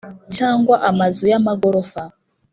cyangwa amazu y amagorofa